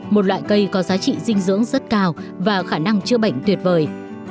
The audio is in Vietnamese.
một loại cây có giá trị dinh dưỡng rất cao và khả năng chữa bệnh tuyệt vời